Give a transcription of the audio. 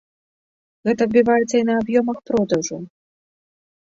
Гэта адбіваецца і на аб'ёмах продажу.